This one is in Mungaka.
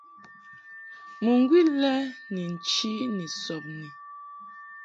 Mɨŋgwi lɛ ni nchi ni sɔbni.